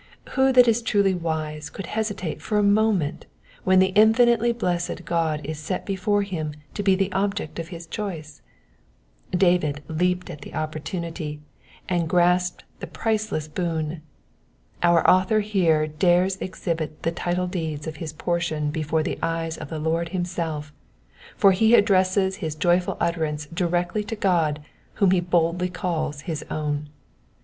Who that is truly wise could hesitate for a moment when the infinitely blessed God is set before him to be the object of his choice ? David leaped at the oppor tunity, and grasped the priceless boon. Our author here dares exhibit the title deeds of his portion before the eye of the Lord himself, for he addresses his joyful utterance directly to God whom he boldly calls his own.